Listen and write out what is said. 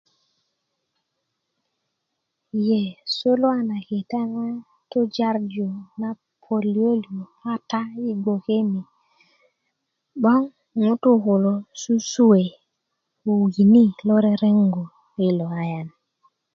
ye suluwa na kita na tujarju na pölyölyö kata kaŋ yi gboke ni 'boŋ ŋutuu kulo susuwe ko wini lo reteŋgu yilo ayan